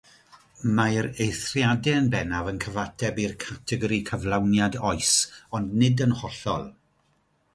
Mae'r eithriadau yn bennaf yn cyfateb i'r categori cyflawniad oes, ond nid yn hollol.